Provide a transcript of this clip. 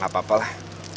gak apa apa lah